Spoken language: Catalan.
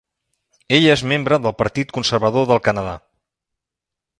Ella és membre del Partit Conservador del Canadà.